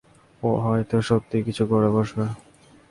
ও হয়তো সত্যিই কিছু করে বসবে।